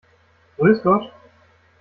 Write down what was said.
Grüß Gott!